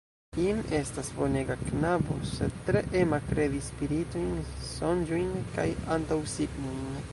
Jim estas bonega knabo, sed tre ema kredi spiritojn, sonĝojn kaj antaŭsignojn.